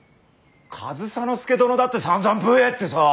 上総介殿だってさんざん武衛ってさ。